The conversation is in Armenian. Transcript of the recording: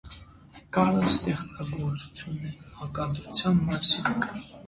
Նկարը ստեղծագործություն է հակադրության մասին։